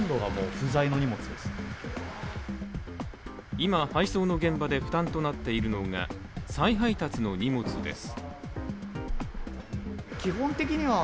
今、配送の現場で負担となっているのが再配達の荷物です。